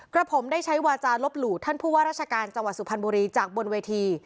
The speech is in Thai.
กระผมได้ใช้วาจาลบหลู่ท่านผู้ว่าราชการจังหวัดสุพรรณบุรีจากบนเวที